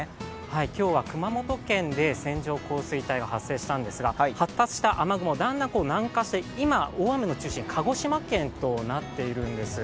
今日は熊本県で線状降水帯が発生したんですが発達した雨雲、だんだん南下して今、大雨の中心は鹿児島県となっているんです。